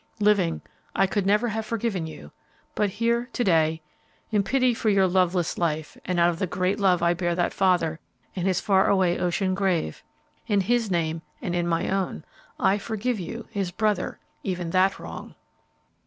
Living, I could never have forgiven you; but here, to day, in pity for your loveless life and out of the great love I bear that father in his far away ocean grave, in his name and in my own, I forgive you, his brother, even that wrong!"